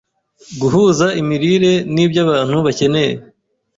Guhuza Imirire n’Ibyo Abantu Bakeneye